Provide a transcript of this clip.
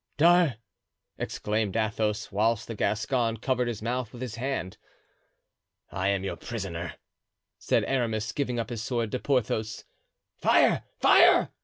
"D'Art——" exclaimed Athos, whilst the Gascon covered his mouth with his hand. "I am your prisoner," said Aramis, giving up his sword to Porthos. "Fire, fire!"